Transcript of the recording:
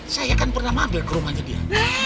saya kan pernah mabel ke rumahnya dia